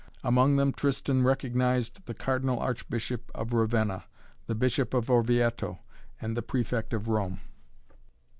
Among them Tristan recognized the Cardinal Archbishop of Ravenna, the Bishop of Orvieto and the Prefect of Rome.